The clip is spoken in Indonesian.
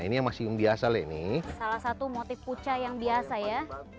ini yang masih biasa nih salah satu motif pucah yang biasa ya